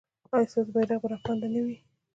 ایا ستاسو بیرغ به رپانده نه وي؟